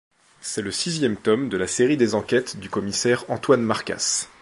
C'est le sixième tome de la série des enquêtes du commissaire Antoine Marcas.